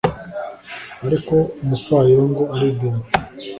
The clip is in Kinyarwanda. ariko umupfayongo aribwira ati